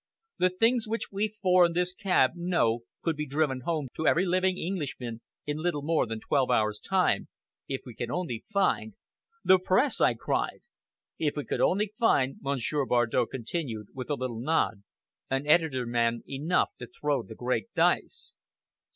The things which we four in this cab know could be driven home to every living Englishman in little more than twelve hours' time, if we can only find !" "The Press!" I cried. "If we can only find," Monsieur Bardow continued, with a little nod, "an editor man enough to throw the great dice!"